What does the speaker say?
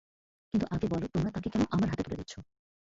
কিন্তু আগে বল তোমরা তাকে কেন আমার হাতে তুলে দিচ্ছ?